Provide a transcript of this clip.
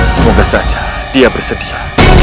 semoga saja dia bersedia